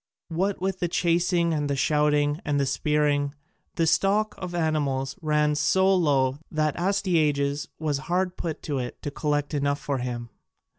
What with the chasing and the shooting and the spearing, the stock of animals ran so low that Astyages was hard put to it to collect enough for him.